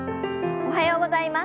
おはようございます。